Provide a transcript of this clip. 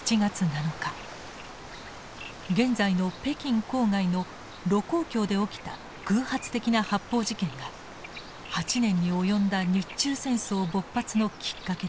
現在の北京郊外の盧溝橋で起きた偶発的な発砲事件が８年に及んだ日中戦争勃発のきっかけでした。